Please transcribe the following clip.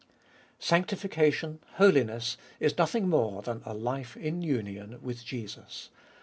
3. Sanctiflcation, holiness, is nothing more than a life in union with Jesus.